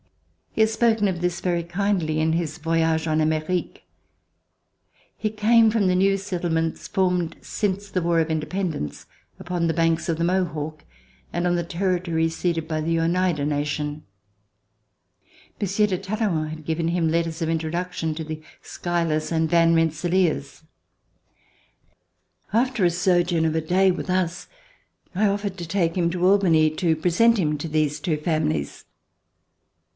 He has spoken of this very kindly in his "Voyage en Ame rique." He came from the new settlements formed since the War of Independence upon the banks of the Mohawk and on the territory ceded by the Oneida nation. Monsieur de Talleyrand had given him letters of introduction to the Schuylers and Van RECOLLECTIONS OF THE REVOLUTION Rensselaers. After a sojourn of a day with us, I offered to take him to Albany to present him to these two famiUes.